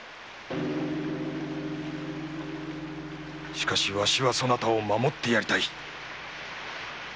しかしわしはそなたを守ってやりたい。